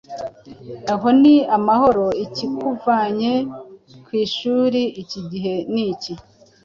aho ni amahoro! Ikikuvanye ku ishuri iki gihe ni iki